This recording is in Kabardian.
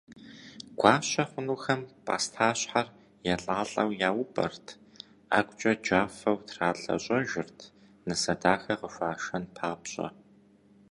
Гуащэ хъунухэм пӏастащхьэр елӏалӏэу яупӏэрт, ӏэгукӏэ джафэу тралъэщӏэжырт, нысэ дахэ къыхуашэн папщӏэ.